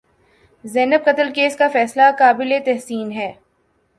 زینب قتل کیس کا فیصلہ قابل تحسین ہے۔